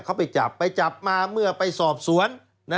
เขาไปจับไปจับมาเมื่อไปสอบสวน